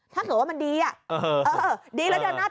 ถ้าเกิดว่ามันดีดีแล้วเดินหน้า